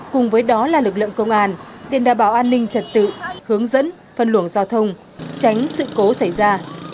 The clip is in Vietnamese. cùng với đó là lực lượng công an để đảm bảo an ninh trật tự hướng dẫn phân luồng giao thông tránh sự cố xảy ra